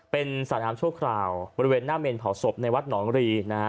เป็นสระน้ำชั่วคราวบริเวณหน้าเมนเผาศพในวัดหนองรีนะฮะ